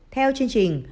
theo chương trình